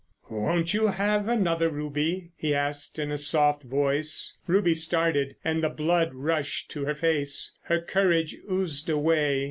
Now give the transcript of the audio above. "Won't you have another, Ruby?" he asked in a soft voice. Ruby started, and the blood rushed to her face. Her courage oozed away.